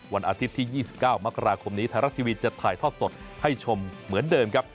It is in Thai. วันอาทิตย์ที่๒๙มกราคมนี้ไทยรัฐทีวีจะถ่ายทอดสดให้ชมเหมือนเดิมครับ